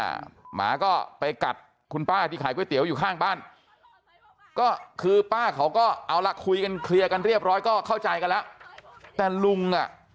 หมาก็ไปกัดคุณป้าที่ขายก๋วยเตี๋ยวอยู่ข้างบ้าน